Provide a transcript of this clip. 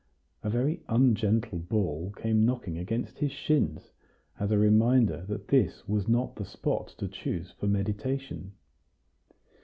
A very ungentle ball came knocking against his shins, as a reminder that this was not the spot to choose for meditation.